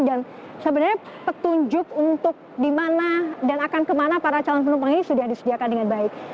dan sebenarnya petunjuk untuk dimana dan akan kemana para calon penumpang ini sudah disediakan dengan baik